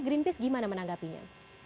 greenpeace gimana menanggapinya